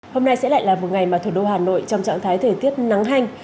hôm nay sẽ lại là một ngày mà thủ đô hà nội trong trạng thái thời tiết nắng hanh